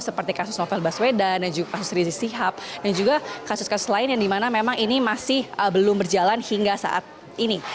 seperti kasus novel baswedan kasus resisi hap dan juga kasus kasus lain yang di mana memang ini masih belum berjalan hingga saat ini